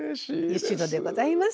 八代でございます。